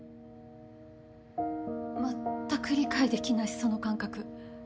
まったく理解できないその感覚。